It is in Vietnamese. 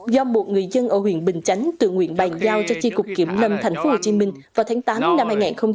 do một người dân ở huyện bình chánh tự nguyện bàn giao cho chiếc cục kiểm lâm tp hcm vào tháng tám năm hai nghìn hai mươi